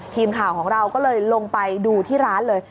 ทีมข่าวของเราก็เลยลงไปดูที่ร้านเลย